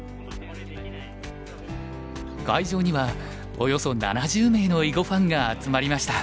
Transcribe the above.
会場にはおよそ７０名の囲碁ファンが集まりました。